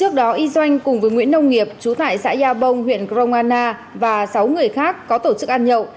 trước đó y doanh cùng với nguyễn nông nghiệp chú tải xã gia bông huyện grongana và sáu người khác có tổ chức ăn nhậu